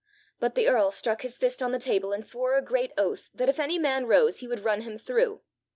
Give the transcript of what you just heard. But the earl struck his fist on the table, and swore a great oath that if any man rose he would run him through.